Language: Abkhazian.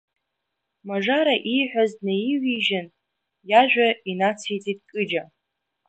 Мажара ииҳәаз наивижьын, иажәа инациҵеит Кыҷа.